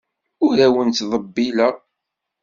Ur awent-ttḍebbileɣ.